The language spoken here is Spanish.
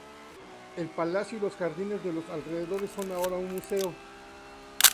El palacio y los jardines de los alrededores son ahora un museo.